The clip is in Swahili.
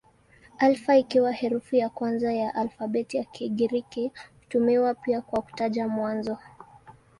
Alfa ikiwa herufi ya kwanza ya alfabeti ya Kigiriki hutumiwa pia kwa kutaja mwanzo.